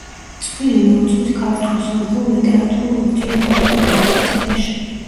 წვლილი მიუძღვის ქართულ-სომხურ ლიტერატურულ ურთიერთობათა განმტკიცებაში.